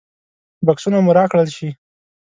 بکسونه مو راکړل شي.